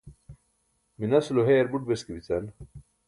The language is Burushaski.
minas ulo heyar buṭ beske bican